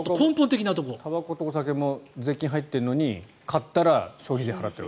たばことお酒も税金が入っているのに買ったら消費税を払っている。